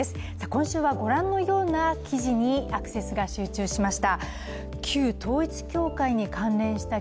今週は御覧のような記事にアクセスが集中しました。